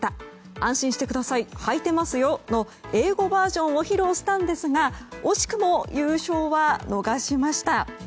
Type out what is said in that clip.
「安心してください、はいてますよ」の英語バージョンを披露したんですが惜しくも優勝は逃しました。